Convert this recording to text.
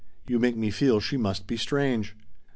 You make me feel she must be strange."